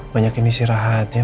banyak ini istirahat ya